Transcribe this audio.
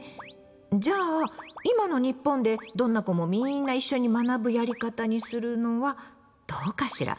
じゃあ今の日本でどんな子もみんな一緒に学ぶやり方にするのはどうかしら。